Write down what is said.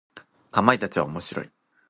かまいたちは面白い。